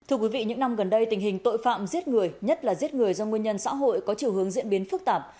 thưa quý vị những năm gần đây tình hình tội phạm giết người nhất là giết người do nguyên nhân xã hội có chiều hướng diễn biến phức tạp